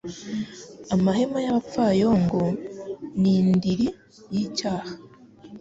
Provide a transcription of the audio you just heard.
Amahema y’abapfayongo ni indiri y’icyaha